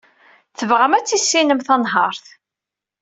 Tebɣam ad tissinem tanhaṛt.